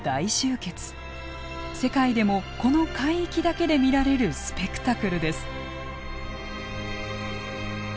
世界でもこの海域だけで見られるスペクタクルです。